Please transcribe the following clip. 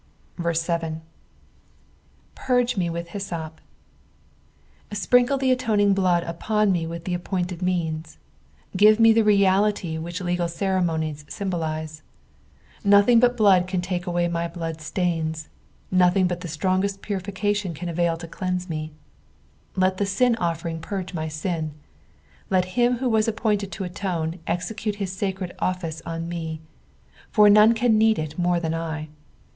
7, "Purge me irith hyssop," Sprinkle the atoning blood upon me with the appointed means. Give me the realiry which legal ceremonies symbol ise. Nothing but blood can take away my blood stains, nothing but the strongest puriflcatldn can avail to cleanse me. Let the ain ofici ing purge my sin. Let him who was appointed to atone, execute hia aacrcd office on me ; fur none can need it more than I.